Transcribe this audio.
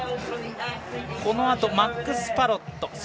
このあと、マックス・パロット。